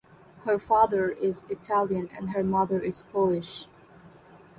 Her father is Italian and her mother is Polish.